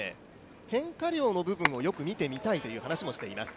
変化量の部分をよく見てみたいという話をしています。